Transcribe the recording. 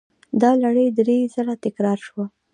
دا لړۍ درې ځله تکرار شوه.